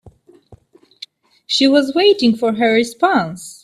She was waiting for her response.